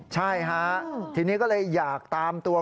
ใช่ฮะทีนี้ก็เลยอยากตามตัว